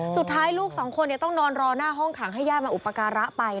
สุดท้ายลูกสองคนต้องนอนรอหน้าห้องขังให้ญาติมาอุปการะไป